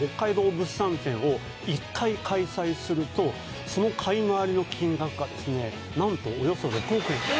物産展を１回開催するとその買い回りの金額がですね何とおよそそんなに！？